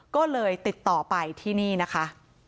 ก็เลยติดต่อไปที่นี่นะคะ